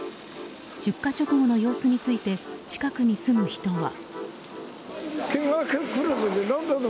出火直後の様子について近くに住む人は。